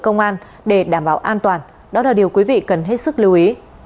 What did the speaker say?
công an để đảm bảo an toàn đó là điều quý vị cần hết sức lưu ý